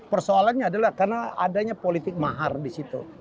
persoalannya adalah karena adanya politik mahar di situ